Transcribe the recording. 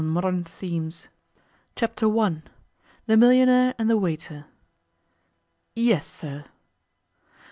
CONCLUSION Chapter One THE MILLIONAIRE AND THE WAITER 'YES, sir?